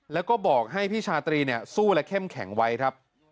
แล้วก็บอกให้พี่ชาตรีสู้และเข้มแข็งไว้ครับ